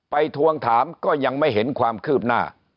ทวงถามก็ยังไม่เห็นความคืบหน้า